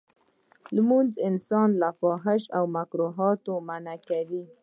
لمونځ انسان له فحشا او منکراتو منعه کوی.